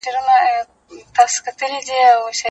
هیڅوک حق نه لري چي د بل چا په شخصي ازادۍ برید وکړي.